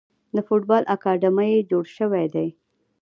د فوټبال اکاډمۍ جوړې شوي دي.